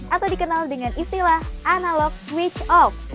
atau dikenal dengan istilah analog switch off